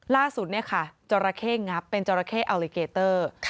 ล่าสุดเนี่ยค่ะจราเข้งับเป็นจราเข้อัลลิเกเตอร์